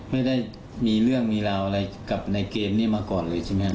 ไม่ได้มีเรื่องมีราวอะไรกับในเกมนี้มาก่อนเลยใช่ไหมครับ